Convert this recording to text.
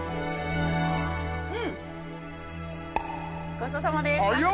ごちそうさまです完食。